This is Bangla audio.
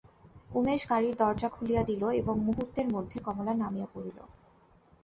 উমেশ গাড়ির দরজা খুলিয়া দিল এবং মুহূর্তের মধ্যে কমলা নামিয়া পড়িল।